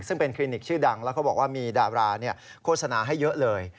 ซึ่งเป็นคลินิกชื่อดังแล้วเขาบอกว่ามีดาราโฆษณาให้เยอะเลย